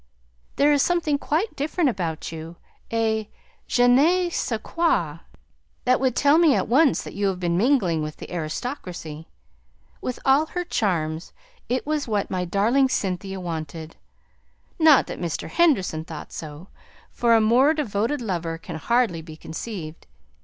There is something quite different about you a je ne sais quoi that would tell me at once that you have been mingling with the aristocracy. With all her charms, it was what my darling Cynthia wanted; not that Mr. Henderson thought so, for a more devoted lover can hardly be conceived.